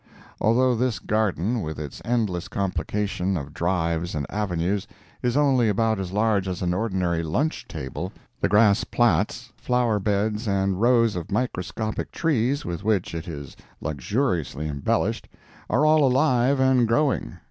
Although this garden, with its endless complication of drives and avenues, is only about as large as an ordinary lunch table, the grass plats, flower beds, and rows of microscopic trees, with which it is luxuriously embellished, are all alive and growing.